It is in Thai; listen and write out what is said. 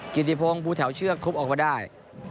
กิฎิโพงบูแถวเชือกทุบออกไปได้